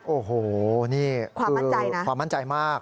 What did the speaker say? โอ้โหนี่คือความมั่นใจมาก